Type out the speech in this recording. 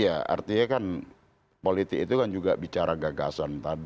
iya artinya kan politik itu kan juga bicara gagasan tadi